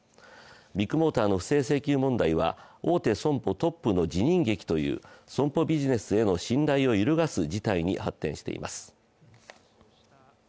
ビッグモーターの不正請求問題は大手損保トップの辞任劇という損保ビジネスの信頼を揺るがす事態に発展しています。